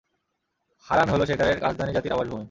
হারান হলো সেকালের কাশদানী জাতির আবাসভূমি।